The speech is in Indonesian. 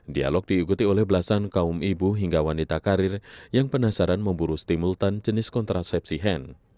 dialog diikuti oleh belasan kaum ibu hingga wanita karir yang penasaran memburu stimultan jenis kontrasepsi hand